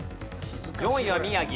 ４位は宮城。